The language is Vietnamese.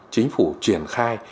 chính phủ triển khai